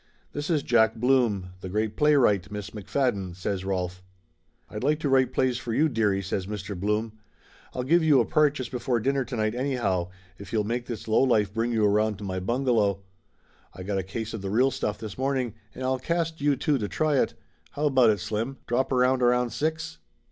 "This is Jack Blum, the great playwright, Miss Mc Fadden," says Rolf. "I'd like to write plays for you, dearie!" says Mr. Blum. "I'll give you a part just before dinner to night anyhow, if you'll make this low life bring you around to my bungalow. I got a case of the real stuff this Laughter Limited 93 morning, and I'll cast you two to try it. How about it, Slim? Drop around around six?"